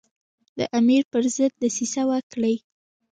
د امیر پر ضد دسیسه وکړي.